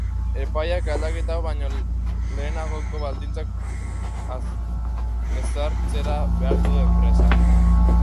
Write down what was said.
Epaiak aldaketa hau baino lehenagoko baldintzak ezartzera behartu du enpresa.